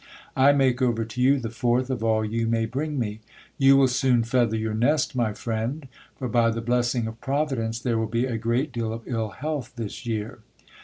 I make over to you the fourth of all you may bring me. You will soon feather your nest, my friend ; for, by the blessing of Providence, there will be a great deal of ill health this year.